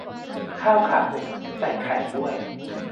ข้าวขาหมู ใส่ไข่ด้วย